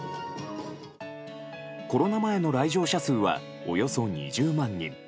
コロナ前の来場者数はおよそ２０万人。